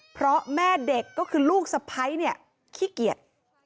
เพราะแม่เด็กก็คือลูกสะพ้ายเนี่ยขี้เกียจ